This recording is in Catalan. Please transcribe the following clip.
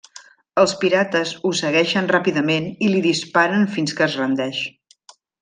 Els pirates ho segueixen ràpidament i li disparen fins que es rendeix.